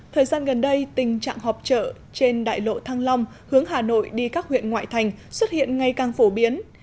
thời gian gần đây tình trạng họp trợ trên đại lộ thăng long hướng hà nội đi các huyện ngoại thành xuất hiện ngày càng phổ biến